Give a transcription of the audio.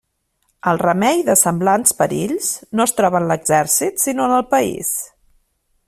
El remei de semblants perills no es troba en l'exèrcit, sinó en el país.